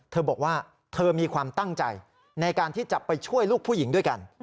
เธอบอกว่าเธอมีความตั้งใจในการที่จะไปช่วยลูกผู้หญิงด้วยกัน